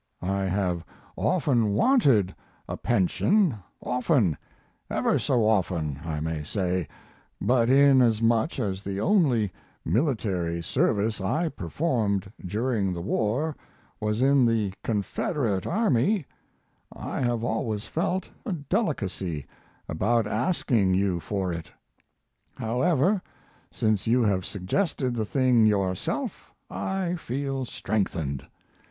I have often wanted a pension often ever so often I may say, but in as much as the only military service I performed during the war was in the Confederate army, I have always felt a delicacy about asking you for it. However, since you have suggested the thing yourself, I feel strengthened.